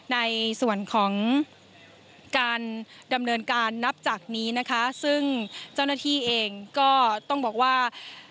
ในส่วนของการดำเนินการนับจากนี้นะคะซึ่งเจ้าหน้าที่เองก็ต้องบอกว่า